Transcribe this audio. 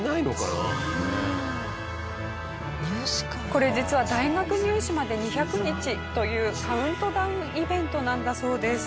これ実は大学入試まで２００日というカウントダウンイベントなんだそうです。